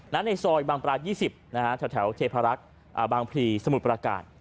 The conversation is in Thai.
ในซอยบางปราชยี่สิบนะฮะแถวแถวเทพรักษณ์บางพรีสมุดปราการ